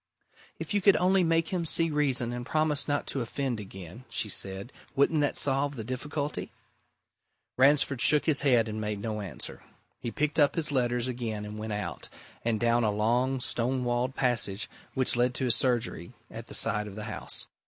"If you could only make him see reason and promise not to offend again," she said. "Wouldn't that solve the difficulty?" Ransford shook his head and made no answer. He picked up his letters again and went out, and down a long stone walled passage which led to his surgery at the side of the house.